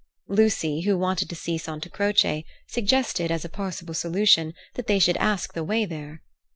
Lucy, who wanted to see Santa Croce, suggested, as a possible solution, that they should ask the way there.